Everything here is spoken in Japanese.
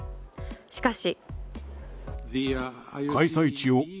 しかし。